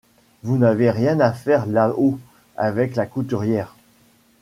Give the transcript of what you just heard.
Vous n'avez rien à faire là-haut, avec la couturière ?